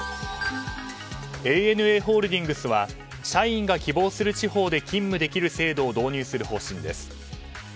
ＡＮＡホールディングスは社員が希望する地方で勤務できる制度を導入する方針です。